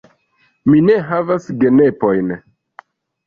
Mi ne havas genepojn.